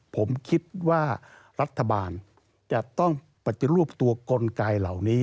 ผมคิดว่ารัฐบาลจะต้องปฏิรูปตัวกลไกเหล่านี้